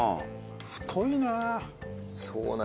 太いな！